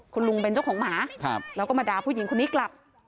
คุณลุงเป็นเจ้าของหมาแล้วก็มาด่าผู้หญิงคนนี้กลับ